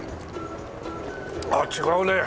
あっ違うね。